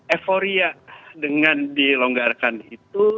euphoria dengan dilonggarkan itu